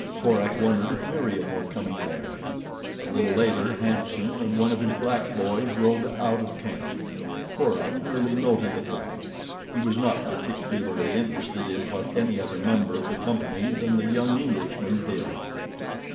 Korak wondered if Meriem were coming there. A little later Hanson and one of his black boys rode out of camp. Korak merely noted the fact. He was not particularly interested in what any other member of the company than the young Englishman did.